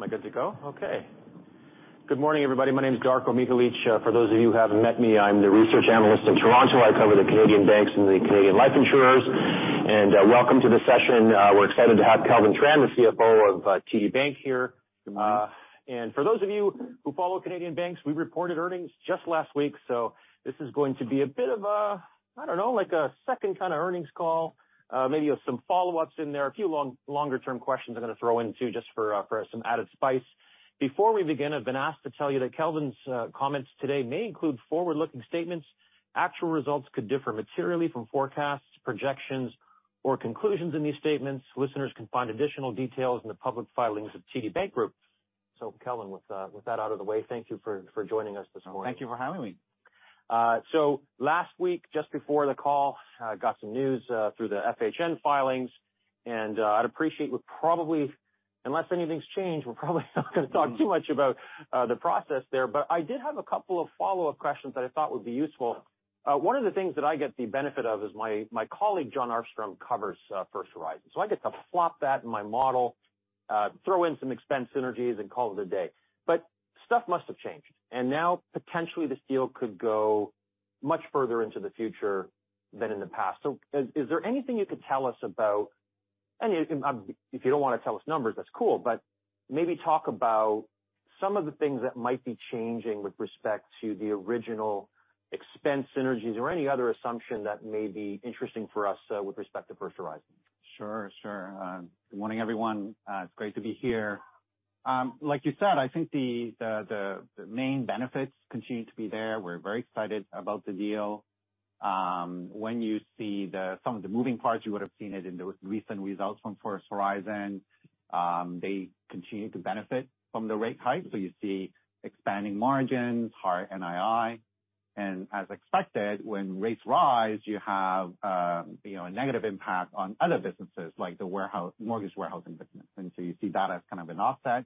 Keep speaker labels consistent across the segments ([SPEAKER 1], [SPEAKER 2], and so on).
[SPEAKER 1] Am I good to go? Okay. Good morning, everybody. My name's Darko Mihelic. For those of you who haven't met me, I'm the Research Analyst in Toronto. I cover the Canadian banks and the Canadian life insurers. Welcome to the session. We're excited to have Kelvin Tran, the CFO of TD Bank here.
[SPEAKER 2] Good morning.
[SPEAKER 1] For those of you who follow Canadian banks, we reported earnings just last week, so this is going to be a bit of a, I don't know, like a second kind of earnings call, maybe with some follow-ups in there, a few longer-term questions I'm going to throw in too just for some added spice. Before we begin, I've been asked to tell you that Kelvin's comments today may include forward-looking statements. Actual results could differ materially from forecasts, projections, or conclusions in these statements. Listeners can find additional details in the public filings of TD Bank Group. Kelvin, with that out of the way, thank you for joining us this morning.
[SPEAKER 2] Thank you for having me.
[SPEAKER 1] Last week, just before the call, I got some news through the FHN filings, and I'd appreciate we probably, unless anything's changed, we're probably not going to talk too much about the process there. I did have a couple of follow-up questions that I thought would be useful. One of the things that I get the benefit of is my colleague John Armstrong covers First Horizon, so I get to flop that in my model, throw in some expense synergies, and call it a day. Stuff must have changed, and now potentially this deal could go much further into the future than in the past. Is there anything you could tell us about and if you don't want to tell us numbers, that's cool, but maybe talk about some of the things that might be changing with respect to the original expense synergies or any other assumption that may be interesting for us with respect to First Horizon?
[SPEAKER 2] Sure. Good morning, everyone. It's great to be here. Like you said, I think the main benefits continue to be there. We're very excited about the deal. When you see some of the moving parts, you would have seen it in the recent results from First Horizon. They continue to benefit from the rate hike. You see expanding margins, higher NII. As expected, when rates rise, you have a negative impact on other businesses like the mortgage warehousing business. You see that as kind of an offset,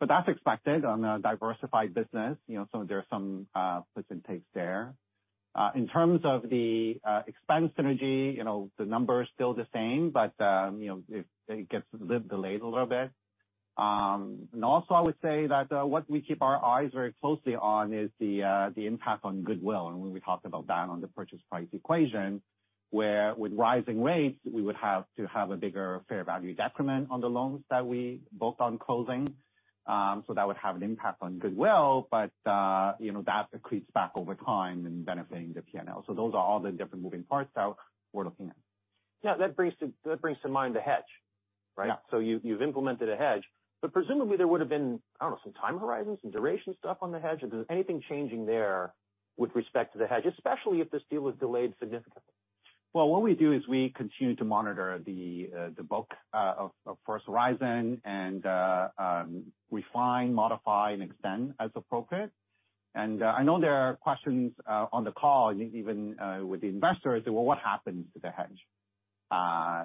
[SPEAKER 2] but that's expected on a diversified business. There are some puts and takes there. In terms of the expense synergy, the number is still the same, but it gets delayed a little bit. Also, I would say that what we keep our eyes very closely on is the impact on goodwill. We talked about that on the purchase price equation, where with rising rates, we would have to have a bigger fair value decrement on the loans that we booked on closing. That would have an impact on goodwill, but that accretes back over time in benefiting the P&L. Those are all the different moving parts that we're looking at.
[SPEAKER 1] That brings to mind the hedge, right? You've implemented a hedge, but presumably there would have been, I don't know, some time horizons, some duration stuff on the hedge. Is there anything changing there with respect to the hedge, especially if this deal was delayed significantly?
[SPEAKER 2] Well, what we do is we continue to monitor the book of First Horizon and refine, modify, and extend as appropriate. I know there are questions on the call, even with the investors, say, "Well, what happens to the hedge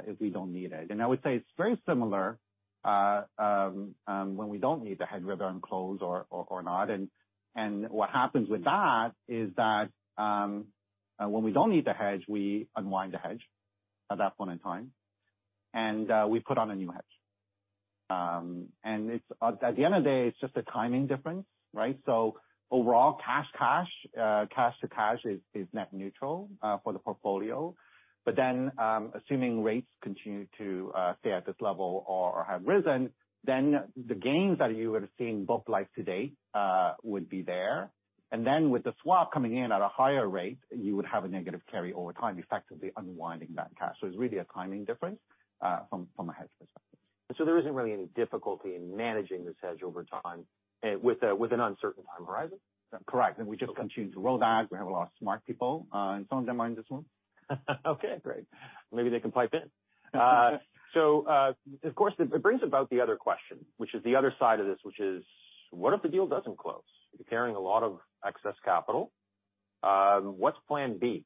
[SPEAKER 2] if we don't need it?" I would say it's very similar when we don't need the hedge, whether on close or not. What happens with that is that when we don't need the hedge, we unwind the hedge at that point in time, and we put on a new hedge. At the end of the day, it's just a timing difference, right? Overall, cash-cash, cash-to-cash is net neutral for the portfolio. Assuming rates continue to stay at this level or have risen, then the gains that you would have seen book-like today would be there. With the swap coming in at a higher rate, you would have a negative carry over time, effectively unwinding that cash. It's really a timing difference from a hedge perspective.
[SPEAKER 1] There isn't really any difficulty in managing this hedge over time with an uncertain time horizon?
[SPEAKER 2] Correct. We just continue to roll that. We have a lot of smart people, and some of them are in this room.
[SPEAKER 1] Okay, great. Maybe they can pipe in. Of course, it brings about the other question, which is the other side of this, which is, what if the deal doesn't close? You're carrying a lot of excess capital. What's plan B?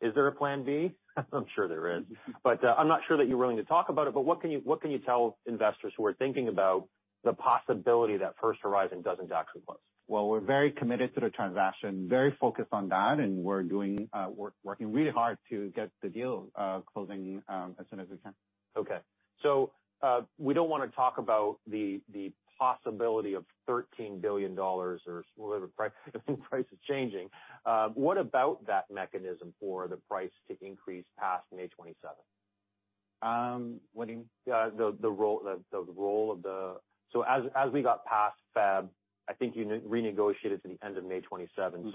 [SPEAKER 1] Is there a plan B? I'm sure there is, but I'm not sure that you're willing to talk about it. What can you tell investors who are thinking about the possibility that First Horizon doesn't actually close?
[SPEAKER 2] Well, we're very committed to the transaction, very focused on that, and we're working really hard to get the deal closing as soon as we can.
[SPEAKER 1] Okay. We don't want to talk about the possibility of $13 billion or whatever price. I think price is changing. What about that mechanism for the price to increase past May 27th?
[SPEAKER 2] What do you mean?
[SPEAKER 1] The role of the as we got past February, I think you renegotiated to the end of May 27th.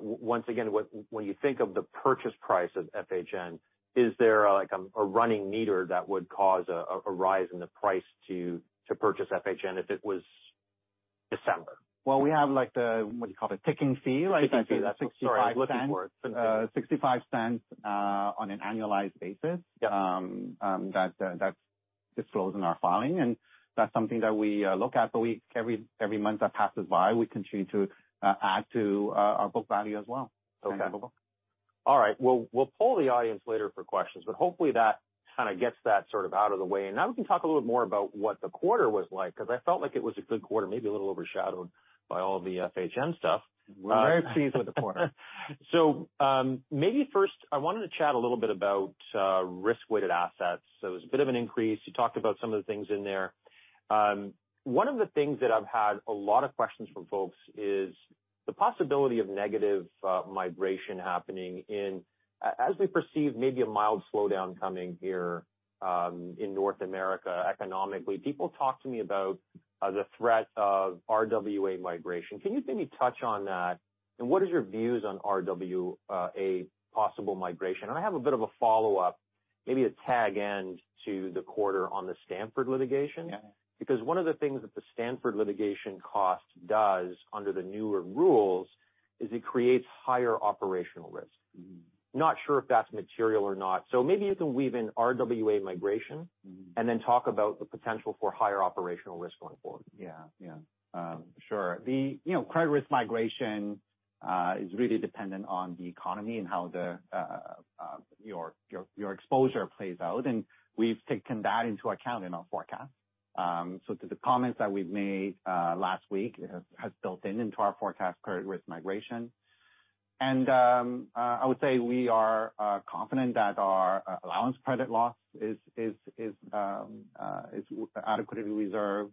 [SPEAKER 1] Once again, when you think of the purchase price of FHN, is there a running meter that would cause a rise in the price to purchase FHN if it was December?
[SPEAKER 2] Well, we have the what do you call it? ticking fee, right?
[SPEAKER 1] Ticking fee. That's $0.65.
[SPEAKER 2] Sorry, I'm looking for it. $0.65 on an annualized basis that discloses in our filing. That's something that we look at. Every month that passes by, we continue to add to our book value as well.
[SPEAKER 1] Okay. All right. Well, we'll pull the audience later for questions, but hopefully that kind of gets that sort of out of the way. Now we can talk a little bit more about what the quarter was like because I felt like it was a good quarter, maybe a little overshadowed by all the FHN stuff.
[SPEAKER 2] We're very pleased with the quarter.
[SPEAKER 1] Maybe first, I wanted to chat a little bit about risk-weighted assets. There's a bit of an increase. You talked about some of the things in there. One of the things that I've had a lot of questions from folks is the possibility of negative migration happening in as we perceive maybe a mild slowdown coming here in North America economically. People talk to me about the threat of RWA migration. Can you give me a touch on that, and what are your views on RWA, possible migration? I have a bit of a follow-up, maybe a tag-end to the quarter on the Stanford litigation because one of the things that the Stanford litigation cost does under the newer rules is it creates higher operational risk. Not sure if that's material or not. Maybe you can weave in RWA migration and then talk about the potential for higher operational risk going forward.
[SPEAKER 2] Yeah, yeah. Sure. The credit risk migration is really dependent on the economy and how your exposure plays out. We've taken that into account in our forecast. The comments that we've made last week have built in into our forecast, credit risk migration. I would say we are confident that our allowance for credit losses is adequately reserved.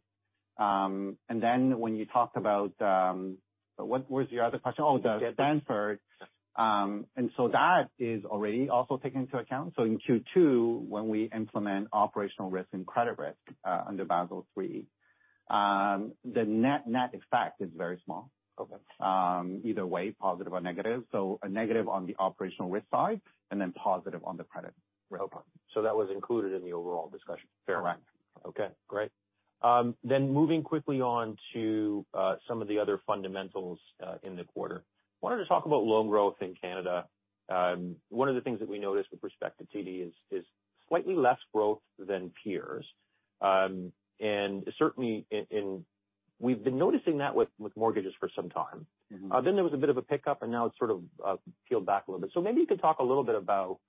[SPEAKER 2] When you talked about what was your other question? The Stanford. That is already also taken into account. In Q2, when we implement operational risk and credit risk under Basel III, the net effect is very small either way, positive or negative. A negative on the operational risk side and then positive on the credit risk.
[SPEAKER 1] Okay. That was included in the overall discussion, fair enough?
[SPEAKER 2] Correct.
[SPEAKER 1] Okay, great. Moving quickly on to some of the other fundamentals in the quarter, I wanted to talk about loan growth in Canada. One of the things that we noticed with respect to TD is slightly less growth than peers. Certainly, we've been noticing that with mortgages for some time. There was a bit of a pickup, and now it's sort of peeled back a little bit. Maybe you could talk a little bit about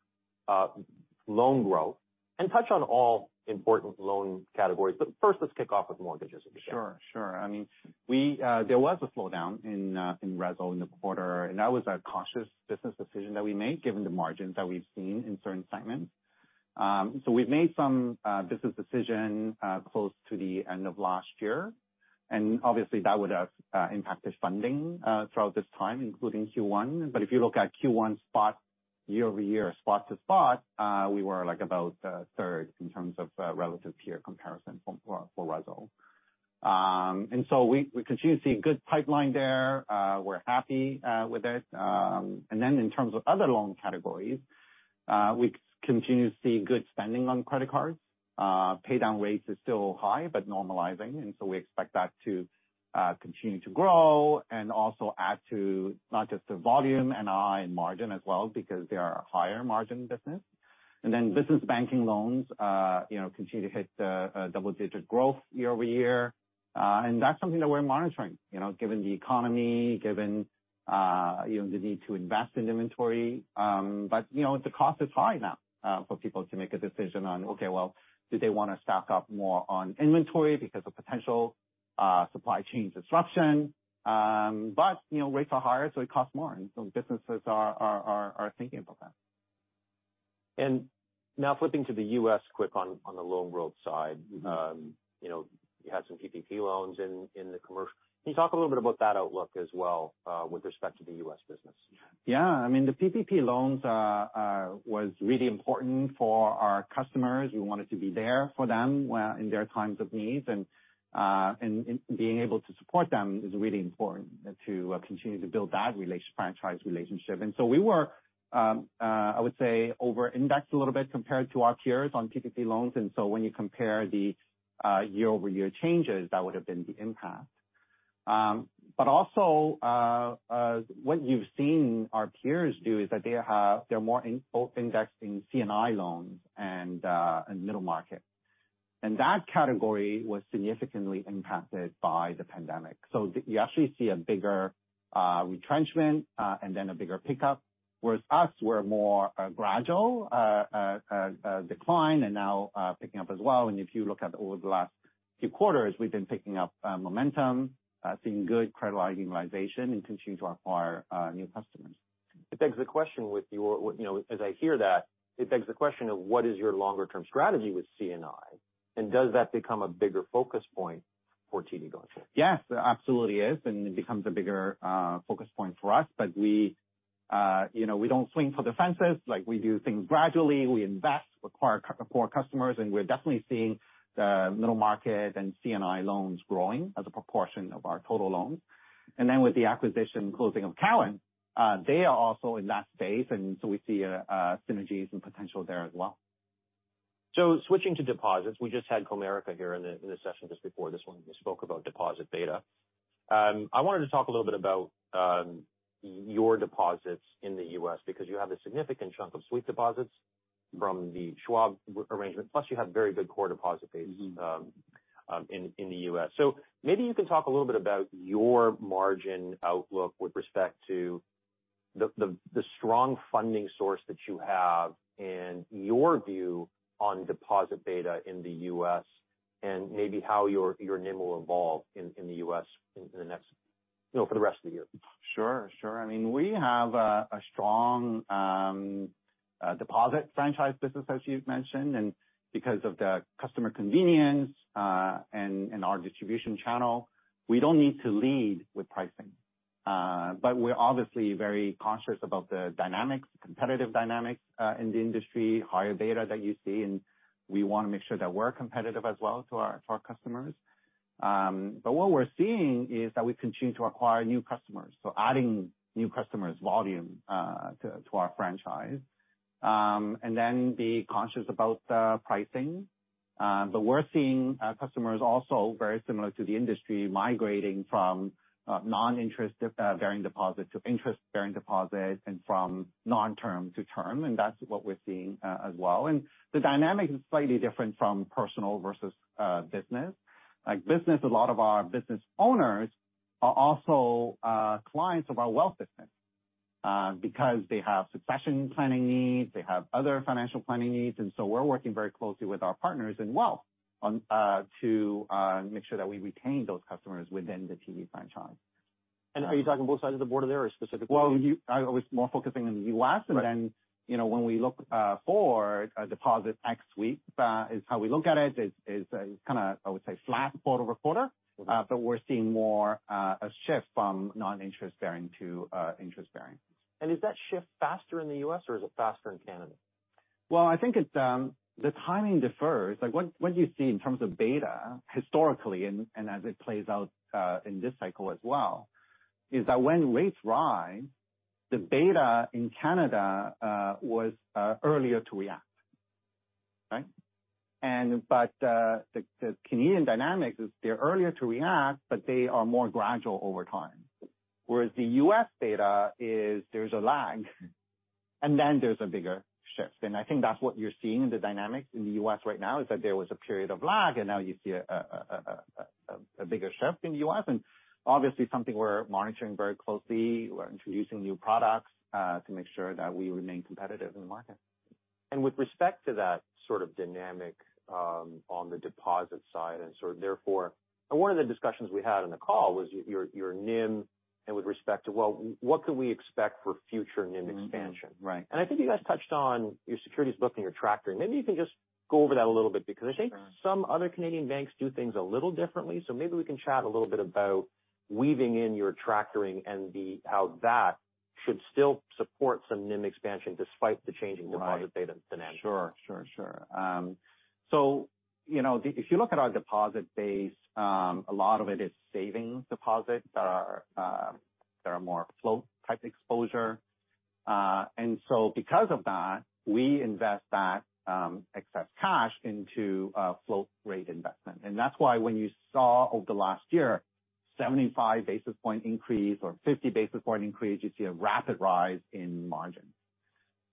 [SPEAKER 1] loan growth and touch on all important loan categories. First, let's kick off with mortgages at the start.
[SPEAKER 2] Sure, sure. I mean, there was a slowdown in RESL in the quarter, and that was a cautious business decision that we made given the margins that we've seen in certain segments. We've made some business decisions close to the end of last year, and obviously, that would have impacted funding throughout this time, including Q1. If you look at Q1 spot year-over-year, spot to spot, we were about third in terms of relative peer comparison for RESL. We continue to see a good pipeline there. We're happy with it. In terms of other loan categories, we continue to see good spending on credit cards. Paydown rates are still high but normalizing, and so we expect that to continue to grow and also add to not just the volume and margin as well because they are higher margin business. Business banking loans continue to hit double-digit growth year-over-year, and that's something that we're monitoring given the economy, given the need to invest in inventory. The cost is high now for people to make a decision on, "Okay, well, do they want to stack up more on inventory because of potential supply chain disruption?" Rates are higher, so it costs more. Businesses are thinking about that.
[SPEAKER 1] Now flipping to the U.S. quick on the loan growth side, you had some PPP loans in the commercial. Can you talk a little bit about that outlook as well with respect to the U.S. business?
[SPEAKER 2] I mean, the PPP loans were really important for our customers. We wanted to be there for them in their times of need, and being able to support them is really important to continue to build that franchise relationship. We were, I would say, over-indexed a little bit compared to our peers on PPP loans. When you compare the year-over-year changes, that would have been the impact. What you've seen our peers do is that they're more indexed in C&I loans and middle market. That category was significantly impacted by the pandemic. You actually see a bigger retrenchment and then a bigger pickup, whereas us were more a gradual decline and now picking up as well. If you look at over the last few quarters, we've been picking up momentum, seeing good credit utilization, and continuing to acquire new customers.
[SPEAKER 1] It begs the question with your as I hear that, it begs the question of what is your longer-term strategy with C&I, and does that become a bigger focus point for TD Bank Kelvin?
[SPEAKER 2] Yes, it absolutely is. It becomes a bigger focus point for us. We don't swing for the fences. We do things gradually. We invest, acquire core customers, and we're definitely seeing the middle market and C&I loans growing as a proportion of our total loans. With the acquisition and closing of Cowen, they are also in that space, and so we see synergies and potential there as well.
[SPEAKER 1] Switching to deposits, we just had Comerica here in the session just before this one. We spoke about deposit beta. I wanted to talk a little bit about your deposits in the U.S. because you have a significant chunk of sweep deposits from the Schwab arrangement, plus you have very good core deposit base in the U.S. Maybe you can talk a little bit about your margin outlook with respect to the strong funding source that you have and your view on deposit beta in the U.S. and maybe how your NIM will evolve in the U.S. for the rest of the year.
[SPEAKER 2] Sure, sure. I mean, we have a strong deposit franchise business, as you mentioned. because of the customer convenience and our distribution channel, we don't need to lead with pricing. we're obviously very conscious about the dynamics, competitive dynamics in the industry, higher beta that you see. we want to make sure that we're competitive as well to our customers. what we're seeing is that we continue to acquire new customers, so adding new customers, volume to our franchise, and then be conscious about the pricing. we're seeing customers also very similar to the industry migrating from non-interest bearing deposit to interest bearing deposit and from non-term to term. that's what we're seeing as well. the dynamic is slightly different from personal versus business. A lot of our business owners are also clients of our wealth business because they have succession planning needs. They have other financial planning needs. We're working very closely with our partners in wealth to make sure that we retain those customers within the TD franchise.
[SPEAKER 1] Are you talking both sides of the board there or specifically?
[SPEAKER 2] Well, I was more focusing on the U.S. When we look forward, deposits ex-sweep is how we look at it. It's kind of, I would say, flat quarter-over-quarter. We're seeing more a shift from non-interest bearing to interest bearing.
[SPEAKER 1] Is that shift faster in the U.S., or is it faster in Canada?
[SPEAKER 2] Well, I think the timing differs. What do you see in terms of beta historically and as it plays out in this cycle as well is that when rates rise, the beta in Canada was earlier to react, right? The Canadian dynamics is they're earlier to react, but they are more gradual over time, whereas the U.S. data, there's a lag, and then there's a bigger shift. I think that's what you're seeing in the dynamics in the U.S. right now is that there was a period of lag, and now you see a bigger shift in the U.S. Obviously, something we're monitoring very closely. We're introducing new products to make sure that we remain competitive in the market.
[SPEAKER 1] With respect to that sort of dynamic on the deposit side and sort of therefore, one of the discussions we had in the call was your NIM and with respect to, well, what can we expect for future NIM expansion? I think you guys touched on your securities book and your tractoring. Maybe you can just go over that a little bit because I think some other Canadian banks do things a little differently. Maybe we can chat a little bit about weaving in your tractoring and how that should still support some NIM expansion despite the changing deposit beta dynamic.
[SPEAKER 2] Right. Sure, sure. If you look at our deposit base, a lot of it is savings deposits that are more float-type exposure. Because of that, we invest that excess cash into float-rate investment. That's why when you saw over the last year 75 basis point increase or 50 basis point increase, you see a rapid rise in margin.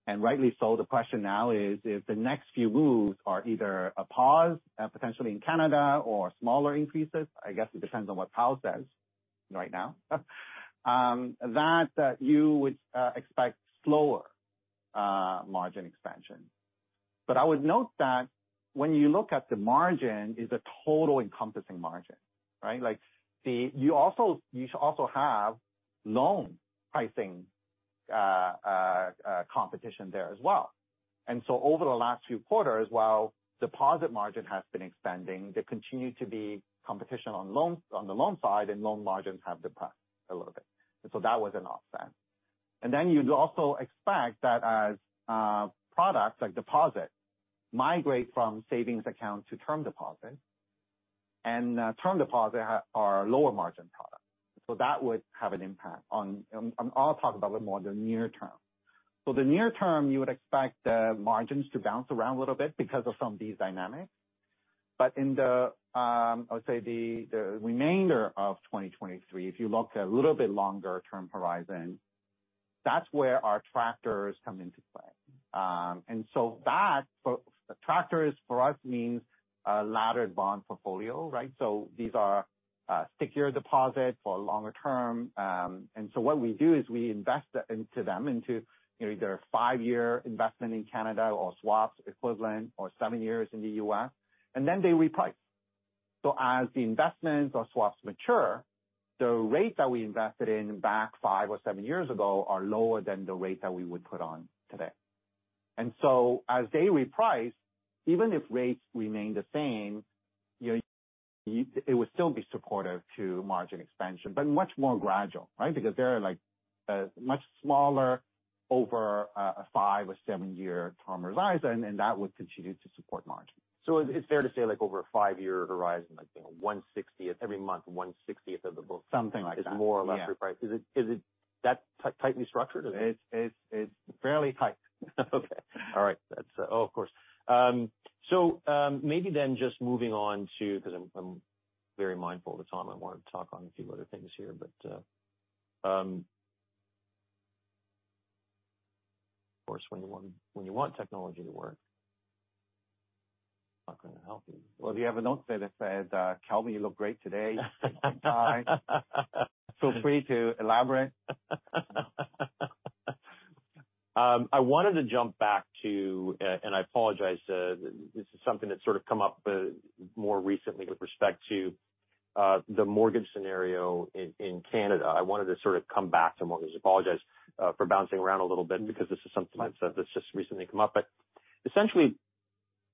[SPEAKER 2] Rightly so, the question now is if the next few moves are either a pause potentially in Canada or smaller increases, I guess it depends on what Powell says right now, that you would expect slower margin expansion. I would note that when you look at the margin, it's a total encompassing margin, right? You should also have loan pricing competition there as well. Over the last few quarters, while deposit margin has been expanding, there continued to be competition on the loan side, and loan margins have depressed a little bit. That was an offset. Then you'd also expect that as products like deposit migrate from savings account to term deposit, and term deposits are lower-margin products. That would have an impact. I'll talk about it more in the near-term. In the near-term, you would expect the margins to bounce around a little bit because of some of these dynamics. In the, I would say, the remainder of 2023, if you look at a little bit longer-term horizon, that's where our tractors come into play. Tractors, for us, means a laddered bond portfolio, right? These are stickier deposits for a longer-term. What we do is we invest into them, into either a five-year investment in Canada or swaps equivalent or seven years in the U.S., and then they reprice. As the investments or swaps mature, the rates that we invested in back five or seven years ago are lower than the rate that we would put on today. As they reprice, even if rates remain the same, it would still be supportive to margin expansion but much more gradual, right, because they're much smaller over a five or seven-year term horizon, and that would continue to support margin.
[SPEAKER 1] It's fair to say over a five-year horizon, every month, 1/60th of the book is more or less repriced. Is that tightly structured, or?
[SPEAKER 2] It's fairly tight.
[SPEAKER 1] Okay. All right. Oh, of course. Maybe then just moving on to because I'm very mindful of the time. I wanted to talk on a few other things here. Of course, when you want technology to work, it's not going to help you.
[SPEAKER 2] Well, do you have a note that said, "Cowen, you look great today. Bye." Feel free to elaborate.
[SPEAKER 1] I wanted to jump back to. I apologize. This is something that's sort of come up more recently with respect to the mortgage scenario in Canada. I wanted to sort of come back to mortgages. I apologize for bouncing around a little bit because this is something that's just recently come up. Essentially,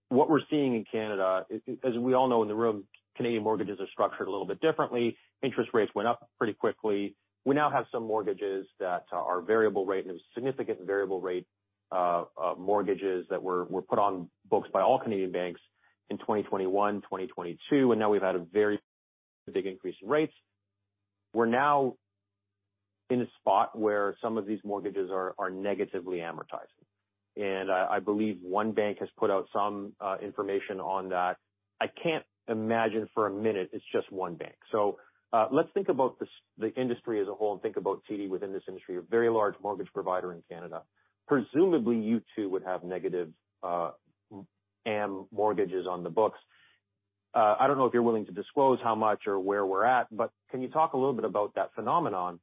[SPEAKER 1] what we're seeing in Canada, as we all know in the room, Canadian mortgages are structured a little bit differently. Interest rates went up pretty quickly. We now have some mortgages that are variable rate and significant variable rate mortgages that were put on books by all Canadian banks in 2021, 2022, and now we've had a very big increase in rates. We're now in a spot where some of these mortgages are negatively amortizing. I believe one bank has put out some information on that. I can't imagine for a minute it's just one bank. Let's think about the industry as a whole and think about TD within this industry, a very large mortgage provider in Canada. Presumably, you two would have negative amort mortgages on the books. I don't know if you're willing to disclose how much or where we're at, but can you talk a little bit about that phenomenon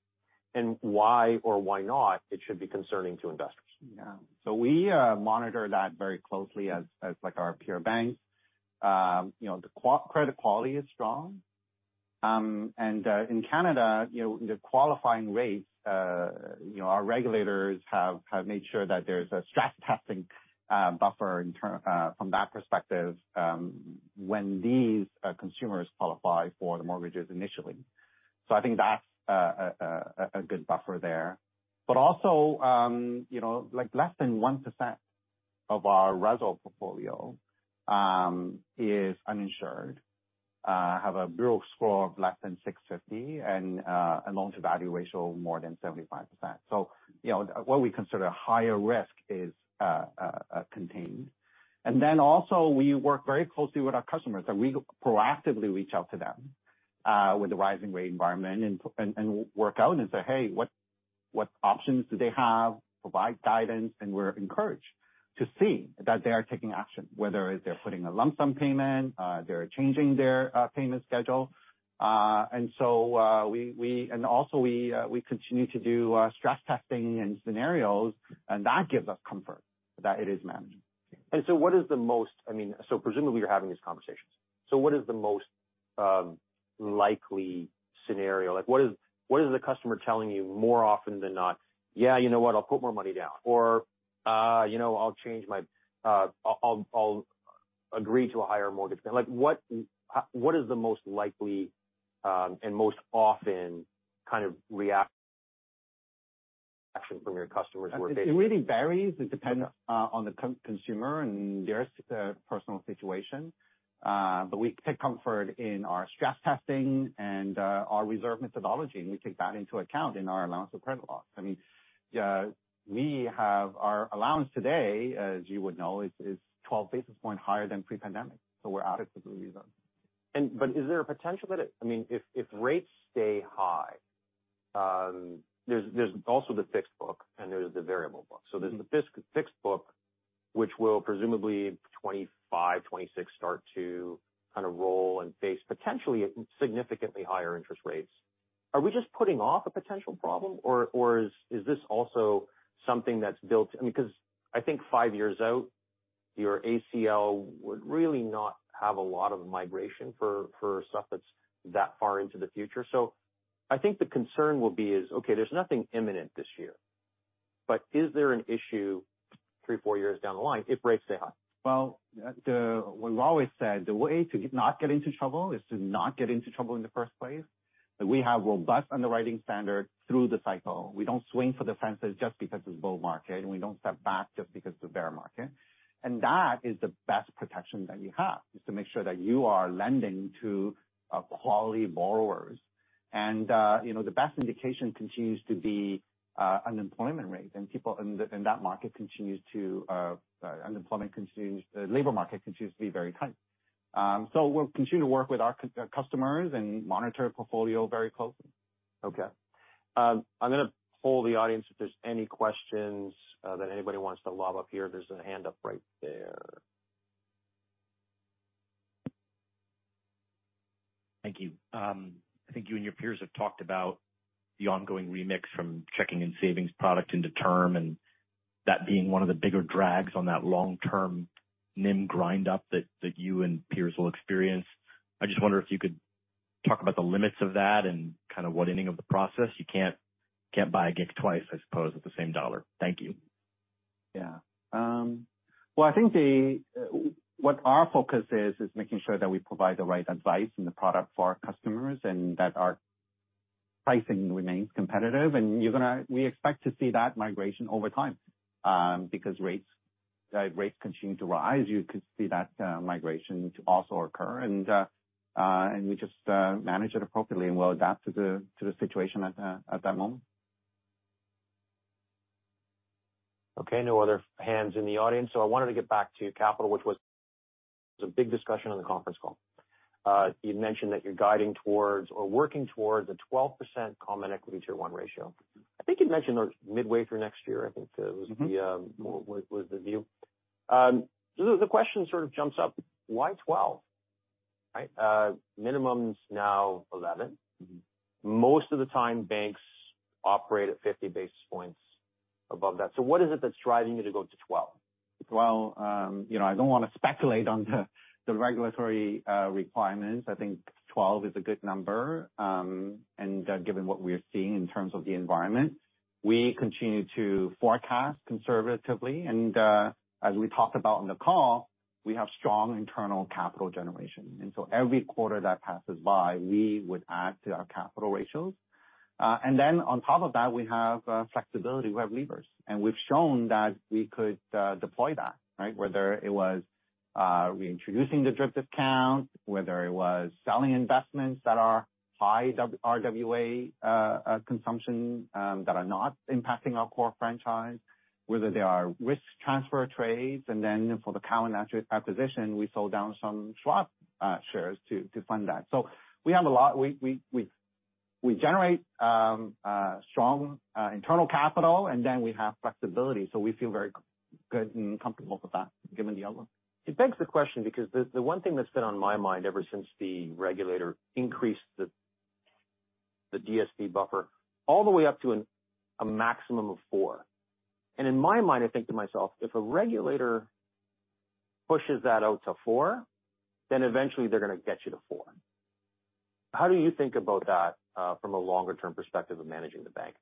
[SPEAKER 1] and why or why not it should be concerning to investors?
[SPEAKER 2] Yeah. We monitor that very closely as our peer banks. The credit quality is strong. In Canada, the qualifying rates, our regulators have made sure that there's a stress testing buffer from that perspective when these consumers qualify for the mortgages initially. I think that's a good buffer there. Also, less than 1% of our RESL portfolio is uninsured, have a bureau score of less than 650, and a loan-to-value ratio of more than 75%. What we consider higher risk is contained. Also, we work very closely with our customers. We proactively reach out to them with the rising rate environment and work out and say, "Hey, what options do they have?" Provide guidance, and we're encouraged to see that they are taking action, whether it's they're putting a lump sum payment, they're changing their payment schedule. Also, we continue to do stress testing and scenarios, and that gives us comfort that it is manageable.
[SPEAKER 1] What is the most I mean, presumably, you're having these conversations. What is the most likely scenario? What is the customer telling you more often than not, "Yeah, you know what? I'll put more money down," or, "I'll change my I'll agree to a higher mortgage payment"? What is the most likely and most often kind of reaction from your customers who are paying?
[SPEAKER 2] It really varies. It depends on the consumer and their personal situation. We take comfort in our stress testing and our reserve methodology, and we take that into account in our allowance for credit losses. I mean, our allowance today, as you would know, is 12 basis points higher than pre-pandemic. We're adequately reserved.
[SPEAKER 1] Is there a potential that it, I mean, if rates stay high, there's also the fixed book, and there's the variable book? There's the fixed book, which will presumably 2025, 2026 start to kind of roll and face potentially significantly higher interest rates. Are we just putting off a potential problem, or is this also something that's built to, I mean, because I think five years out, your ACL would really not have a lot of migration for stuff that's that far into the future? I think the concern will be is, okay, there's nothing imminent this year. Is there an issue three, four years down the line if rates stay high?
[SPEAKER 2] Well, we've always said the way to not get into trouble is to not get into trouble in the first place. We have robust underwriting standard through the cycle. We don't swing for the fences just because it's bull market, and we don't step back just because it's a bear market. That is the best protection that you have, is to make sure that you are lending to quality borrowers. The best indication continues to be unemployment rate, and people in that market continues to unemployment continues labor market continues to be very tight. We'll continue to work with our customers and monitor portfolio very closely.
[SPEAKER 1] Okay. I'm going to poll the audience. If there's any questions that anybody wants to lob up here, there's a hand up right there.
[SPEAKER 3] Thank you. I think you and your peers have talked about the ongoing remix from checking and savings product into term and that being one of the bigger drags on that long-term NIM grind-up that you and peers will experience. I just wonder if you could talk about the limits of that and kind of what. Of the process. You can't buy a gig twice, I suppose, with the same dollar. Thank you.
[SPEAKER 2] Yeah. Well, I think what our focus is making sure that we provide the right advice and the product for our customers and that our pricing remains competitive. We expect to see that migration over time because rates continue to rise. You could see that migration also occur. We just manage it appropriately, and we'll adapt to the situation at that moment.
[SPEAKER 1] Okay. No other hands in the audience. I wanted to get back to capital, which was a big discussion on the conference call. You'd mentioned that you're guiding towards or working towards a 12% Common Equity Tier 1 ratio. I think you'd mentioned midway through next year. I think that was the view? The question sort of jumps up, why 12, right? Minimum's now 11. Most of the time, banks operate at 50 basis points above that. What is it that's driving you to go to 12?
[SPEAKER 2] I don't want to speculate on the regulatory requirements. I think 12 is a good number. Given what we're seeing in terms of the environment, we continue to forecast conservatively. As we talked about on the call, we have strong internal capital generation. Every quarter that passes by, we would add to our capital ratios. On top of that, we have flexibility. We have levers. We've shown that we could deploy that, right, whether it was reintroducing the DRIP discount, whether it was selling investments that are high RWA consumption that are not impacting our core franchise, whether they are risk transfer trades. For the Cowen acquisition, we sold down some Schwab shares to fund that. We have a lot we generate strong internal capital, and then we have flexibility. We feel very good and comfortable with that given the outlook.
[SPEAKER 1] It begs the question because the one thing that's been on my mind ever since the regulator increased the DSB buffer all the way up to a maximum of 4%. In my mind, I think to myself, if a regulator pushes that out to 4%, eventually, they're going to get you to 4%. How do you think about that from a longer-term perspective of managing the bank?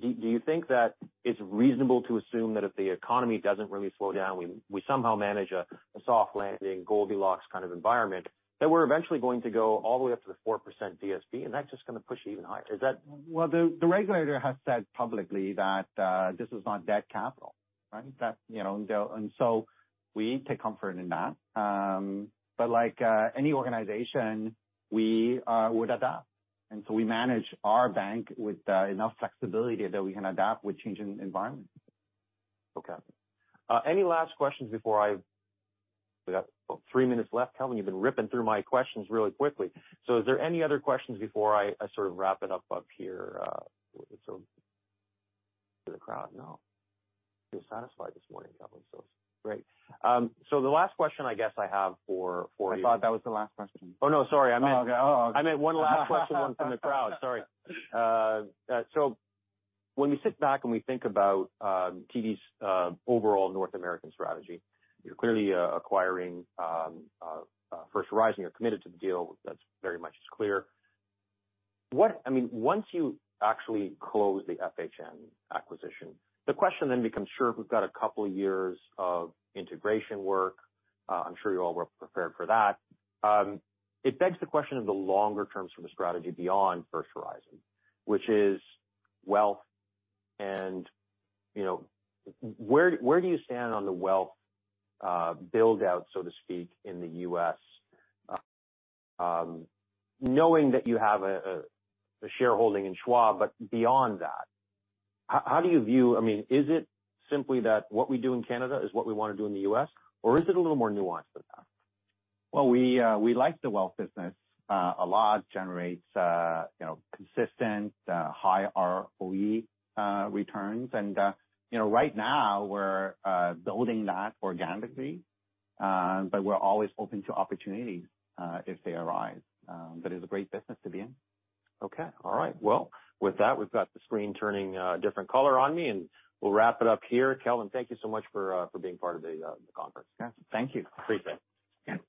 [SPEAKER 1] Do you think that it's reasonable to assume that if the economy doesn't really slow down, we somehow manage a soft landing, Goldilocks kind of environment, that we're eventually going to go all the way up to the 4% DSB, and that's just going to push you even higher?
[SPEAKER 2] Well, the regulator has said publicly that this is not dead capital, right? We take comfort in that. Like any organization, we would adapt. We manage our bank with enough flexibility that we can adapt with changing environments.
[SPEAKER 1] Okay. Any last questions before we got three minutes left. Cowen, you've been ripping through my questions really quickly. Is there any other questions before I sort of wrap it up here to the crowd? No. You're satisfied this morning, Cowen, so it's great. The last question, I guess, I have for you.
[SPEAKER 2] I thought that was the last question.
[SPEAKER 1] Oh, no. Sorry. I meant.
[SPEAKER 2] Oh, okay. Oh, okay.
[SPEAKER 1] I meant one last question, one from the crowd. Sorry. When we sit back and we think about TD's overall North American strategy, you're clearly acquiring First Horizon. You're committed to the deal. That very much is clear. I mean, once you actually close the FHN acquisition, the question then becomes, sure, we've got a couple of years of integration work. I'm sure you all were prepared for that. It begs the question of the longer-terms for the strategy beyond First Horizon, which is wealth. Where do you stand on the wealth buildout, so to speak, in the U.S., knowing that you have a shareholding in Schwab, but beyond that? How do you view I mean, is it simply that what we do in Canada is what we want to do in the U.S., or is it a little more nuanced than that?
[SPEAKER 2] Well, we like the wealth business a lot. It generates consistent, high ROE returns. Right now, we're building that organically, but we're always open to opportunities if they arise. It's a great business to be in.
[SPEAKER 1] Okay. All right. Well, with that, we've got the screen turning a different color on me, and we'll wrap it up here. Cowen, thank you so much for being part of the conference.
[SPEAKER 2] Yeah. Thank you.
[SPEAKER 1] Appreciate it.
[SPEAKER 2] Yeah.